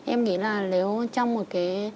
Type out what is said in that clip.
em nghĩ là nếu trong một cái